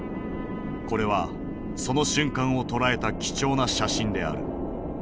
これはその瞬間を捉えた貴重な写真である。